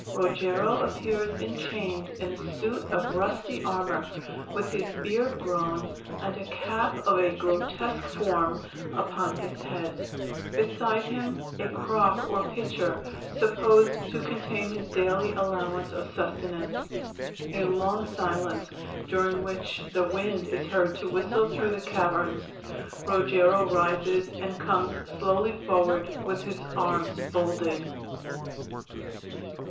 _ Rogero _appears, in chains, in a suit of rusty armor, with his beard grown, and a cap of a grotesque form upon his head; beside him a crock, or pitcher, supposed to contain his daily allowance of sustenance. A long silence, during which the wind is heard to whistle through the caverns._ Rogero _rises, and comes slowly forward, with his arms folded.